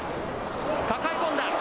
抱え込んだ。